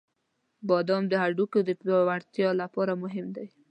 • بادام د هډوکو د پیاوړتیا لپاره مهم دی.